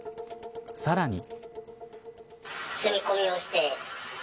さらに。